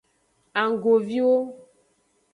Anggoviwo.